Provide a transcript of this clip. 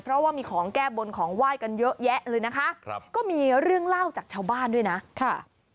เพราะว่ามีของแก้บนของไหว้กันเยอะแยะเลยนะคะครับก็มีเรื่องเล่าจากชาวบ้านด้วยนะค่ะ